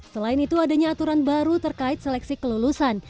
selain itu adanya aturan baru terkait seleksi kelulusan